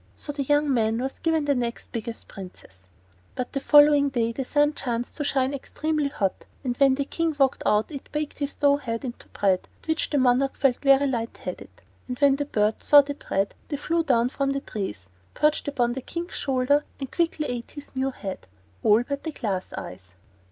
So the young man was given the next biggest princess. But the following day the sun chance to shine extremely hot, and when the King walked out it baked his dough head into bread, at which the monarch felt very light headed. And when the birds saw the bread they flew down from the trees, perched upon the King's shoulder and quickly ate up his new head. All but the glass eyes.